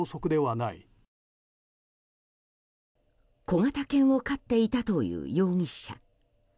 小型犬を飼っていたという容疑者。